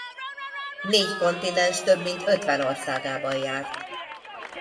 Négy kontinens több mint ötven országában járt.